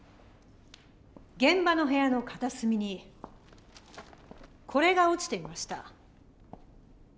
現場の部屋の片隅にこれが落ちていました。